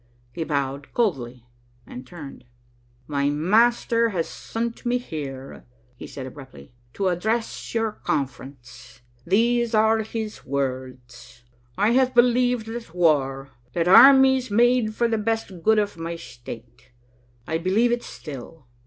He bowed coldly and turned. "My master has sent me here," he said abruptly, "to address your conference. These are his words, 'I have believed that war, that armies made for the best good of my state; I believe it still.